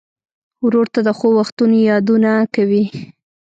ورور ته د ښو وختونو یادونه کوې.